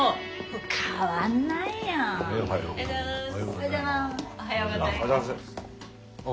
おはようございます。